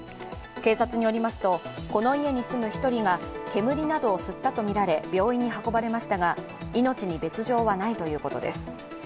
警察によりますと、この家に住む１人が煙などを吸ったとみられ病院に運ばれましたが命に別状はないということです。